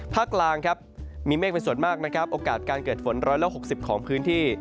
กลางครับมีเมฆเป็นส่วนมากนะครับโอกาสการเกิดฝน๑๖๐ของพื้นที่